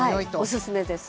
おすすめです。